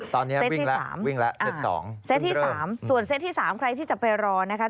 ตอนนี้เซ็ตที่๓เซ็ตที่๓ส่วนเซ็ตที่๓ใครที่จะไปรอนะคะ